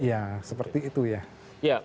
ya seperti itu ya